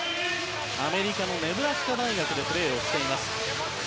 アメリカのネブラスカ大学でプレーをしています、富永。